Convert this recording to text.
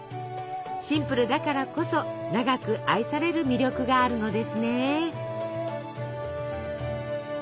シンプルだからこそ長く愛される魅力があるのですね。